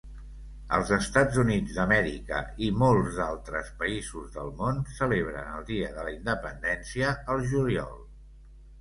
Els Estats Units d'Amèrica i molts d'altres països del món celebren el dia de la independència al juliol.